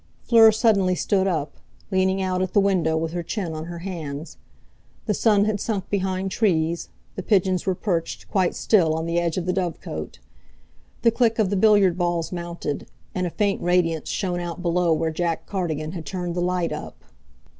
Fleur suddenly stood up, leaning out at the window with her chin on her hands. The sun had sunk behind trees, the pigeons were perched, quite still, on the edge of the dove cot; the click of the billiard balls mounted, and a faint radiance shone out below where Jack Cardigan had turned the light up.